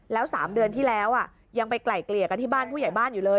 แล้ว๓เดือนที่แล้วยังไปไกลเกลี่ยกันที่บ้านผู้ใหญ่บ้านอยู่เลย